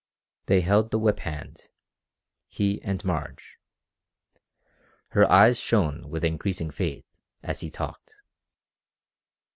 They held the whip hand, he and Marge. Her eyes shone with increasing faith as he talked.